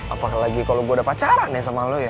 apalagi kalau gue udah pacaran ya sama lo ya